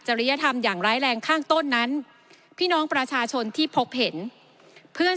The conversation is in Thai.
ริยธรรมอย่างร้ายแรงข้างต้นนั้นพี่น้องประชาชนที่พบเห็นเพื่อน